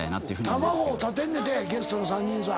卵を立てんねんてゲストの３人さん。